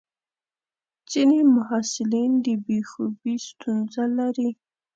ځینې محصلین د بې خوبي ستونزه لري.